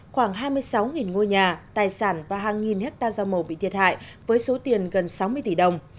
khoảng hai mươi sáu ngôi nhà tài sản và hàng nghìn hectare rau màu bị thiệt hại với số tiền gần sáu mươi tỷ đồng